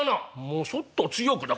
「もそっと強くだ？